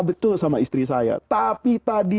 betul sama istri saya tapi tadi